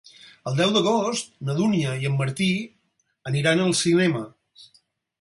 El deu d'agost na Dúnia i en Martí aniran al cinema.